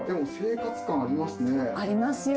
ありますよ。